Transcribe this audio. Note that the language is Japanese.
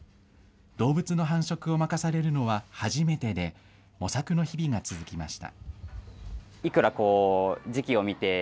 動物の繁殖を任されるのは初めてで、模索の日々が続きました。